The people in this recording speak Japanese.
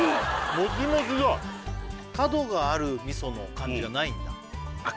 もちもちだ角がある味噌の感じがないんだあっ